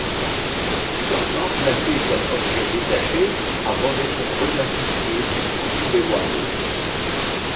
Il fut un temps classé comme objet détaché, avant d'être reclassifié en cubewano.